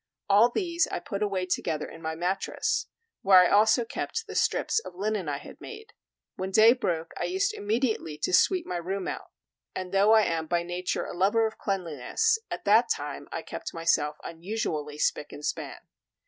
All these I put away together in my mattress, where I also kept the strips of linen I had made. When day broke, I used immediately to sweep my room out; and though I am by nature a lover of cleanliness, at that time I kept myself unusually spick and span.